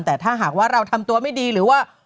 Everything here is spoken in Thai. แต่ถ้าหากว่าเราทำตัวไม่ดีหรือว่า